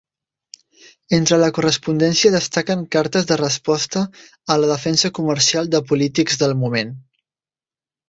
Entre la correspondència destaquen cartes de resposta a La Defensa Comercial de polítics del moment.